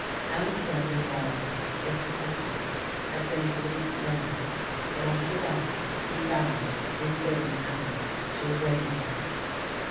Alexander Barbour, its president, had been a great man, but after that he bowed, in certain matters, to a greater one.